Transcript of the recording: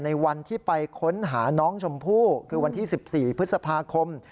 ในวันที่ไปค้นหาน้องชมพู่คือวันที่๑๔พฤษภาคม